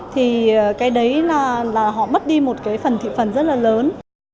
thì cái đấy là họ mất đi một cái phần thị phần rất là lớn